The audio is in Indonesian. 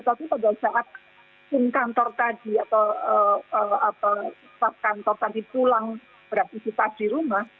tapi pada saat tim kantor tadi atau pas kantor tadi pulang beraktivitas di rumah